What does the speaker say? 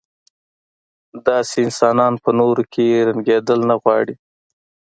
داسې انسانان په نورو کې رنګېدل نه غواړي.